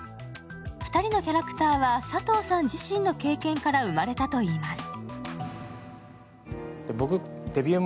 ２人のキャラクターは佐藤さん自身の経験から生まれたといいます。